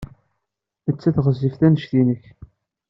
Nettat ɣezzifet anect-nnek.